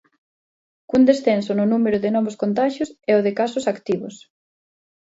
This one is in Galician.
Cun descenso no número de novos contaxios e o de casos activos.